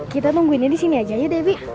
kita tungguinnya disini aja ya debbie